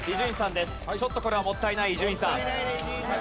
ちょっとこれはもったいない伊集院さん。